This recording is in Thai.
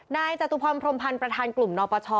จตุพรพรมพันธ์ประธานกลุ่มนปช